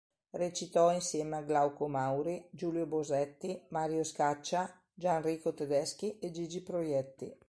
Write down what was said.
Recitò insieme a Glauco Mauri, Giulio Bosetti, Mario Scaccia, Gianrico Tedeschi e Gigi Proietti.